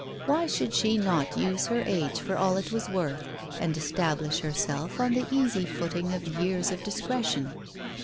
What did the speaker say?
Why should she not use her age for all it was worth and establish herself on the easy footing of years of dis cretion